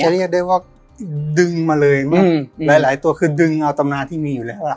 เรียกได้ว่าดึงมาเลยหลายหลายตัวคือดึงเอาตำนานที่มีอยู่แล้วอ่ะ